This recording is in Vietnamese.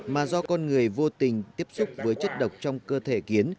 mà do con người vô tình tiếp xúc với chất độc trong cơ thể kiến